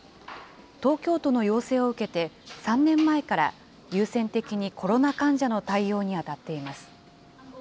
東京都の要請を受けて、３年前から優先的にコロナ患者の対応に当たっています。